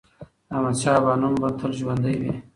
د احمدشاه بابا نوم به تل ژوندی وي.